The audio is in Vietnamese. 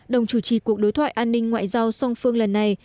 đồng chủ trì cuộc đối thoại an ninh ngoại giao song phương lần này